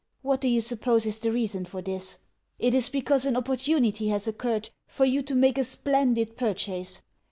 What do you suppose is the reason for this? It is because an opportunity has occurred for you to make a splendid purchase.